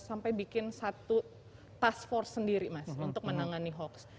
sampai bikin satu task force sendiri mas untuk menangani hoax